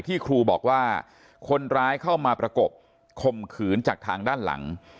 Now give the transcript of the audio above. ครูบอกว่าคนร้ายเข้ามาประกบคมขืนจากทางด้านหลัง